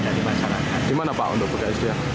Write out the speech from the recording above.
dimana pak untuk berdaulat